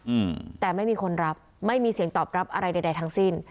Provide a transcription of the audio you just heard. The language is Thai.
อืมแต่ไม่มีคนรับไม่มีเสียงตอบรับอะไรใดใดทั้งสิ้น